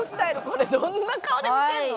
これどんな顔で見てんの？